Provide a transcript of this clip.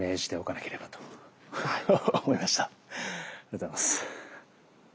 ありがとうございます。